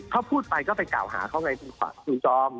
เขาพูดไปก็ไปกล่าวหาเขาไงคุณจอม